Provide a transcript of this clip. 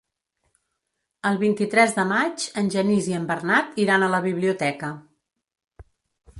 El vint-i-tres de maig en Genís i en Bernat iran a la biblioteca.